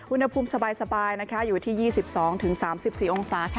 อุณหภูมิสบายนะคะอยู่ที่๒๒๓๔องศาค่ะ